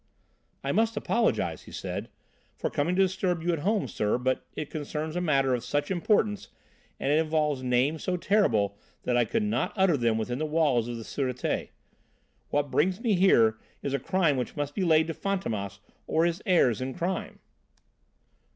"I must apologise," he said, "for coming to disturb you at home, sir, but it concerns a matter of such importance and it involves names so terrible that I could not utter them within the walls of the Sûreté. What brings me here is a crime which must be laid to Fantômas or his heirs in crime."